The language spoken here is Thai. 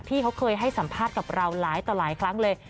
ที่เขาเคยให้สัมภาษณ์กับเราหลายต่อหลายครั้งเลย